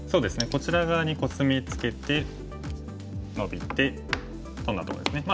こちら側にコスミツケてノビてトンだところですね。